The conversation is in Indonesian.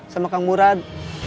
sama kang murad